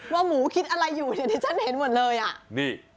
ว่าหมูคิดอะไรอยู่เนี่ยดิฉันเห็นหมดเลยอ่ะนี่